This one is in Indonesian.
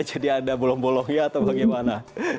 jadi ada bolong bolongnya atau bagaimana